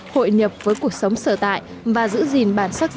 hội nhập với việt nam